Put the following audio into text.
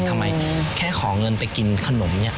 ทำไมแค่ขอเงินไปกินขนม